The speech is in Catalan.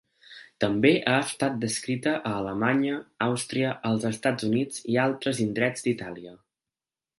També ha estat descrita a Alemanya, Àustria, els Estats Units i altres indrets d'Itàlia.